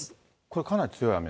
これ、かなり強い雨。